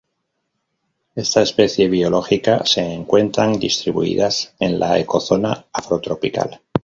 Esta especie biológica, se encuentran distribuidas en la Ecozona afrotropical.